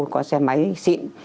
có xe máy xịn